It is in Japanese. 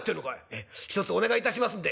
「へえひとつお願いいたしますんで」。